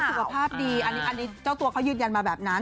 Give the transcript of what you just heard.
สุขภาพดีอันนี้เจ้าตัวเขายืนยันมาแบบนั้น